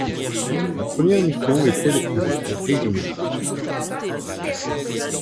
Sa première mission était avec le Régiment.